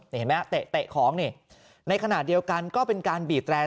นี่เห็นไหมฮะเตะของนี่ในขณะเดียวกันก็เป็นการบีบแรร์